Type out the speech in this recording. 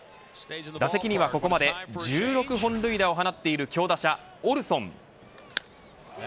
打席にはここまで１６本塁打を放っているオルソン。